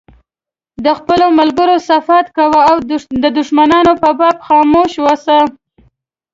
د خپلو ملګرو صفت کوه او د دښمنانو په باب خاموش اوسه.